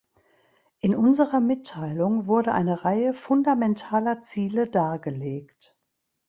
In unserer Mitteilung wurde eine Reihe fundamentaler Ziele dargelegt.